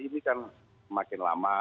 ini kan semakin lama